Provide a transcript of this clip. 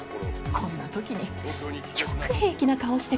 こんな時によく平気な顔して来られるわね。